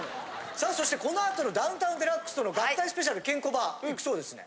さあそしてこの後の『ダウンタウンＤＸ』との合体スペシャルケンコバ行くそうですね。